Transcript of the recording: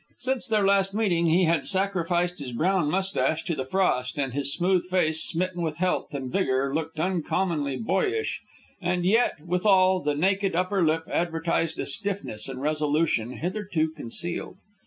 Since their last meeting he had sacrificed his brown moustache to the frost, and his smooth face, smitten with health and vigor, looked uncommonly boyish; and yet, withal, the naked upper lip advertised a stiffness and resolution hitherto concealed.